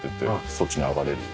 そっちに上がれる。